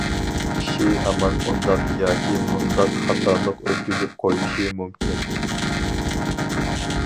كىشى ھامان ئۇنداق ياكى مۇنداق خاتالىق ئۆتكۈزۈپ قويۇشى مۇمكىن.